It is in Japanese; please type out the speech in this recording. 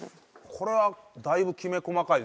これはだいぶきめ細かいですね。